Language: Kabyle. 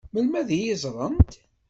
Melmi ad iyi-ẓṛent?